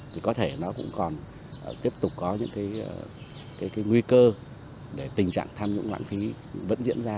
thì có thể nó cũng còn tiếp tục có những nguy cơ để tình trạng tham nhũng lãng phí vẫn diễn ra